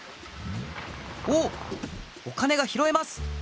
おおっお金がひろえます！